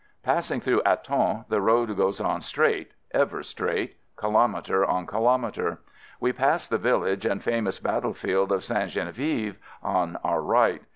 Passing through Aton the road goes on straight — ever straight — kilometre on kilometre. We passed the village and famous battlefield of Ste. Genevieve on our right.